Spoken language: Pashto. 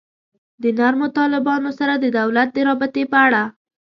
د نرمو طالبانو سره د دولت د رابطې په اړه.